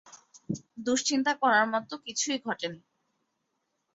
দুঃশ্চিন্তা করার মত কিছুই ঘটেনি।